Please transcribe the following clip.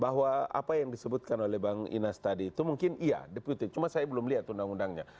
bahwa apa yang disebutkan oleh bang inas tadi itu mungkin iya deputi cuma saya belum lihat undang undangnya